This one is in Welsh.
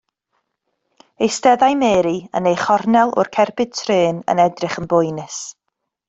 Eisteddai Mary yn ei chornel o'r cerbyd trên yn edrych yn boenus.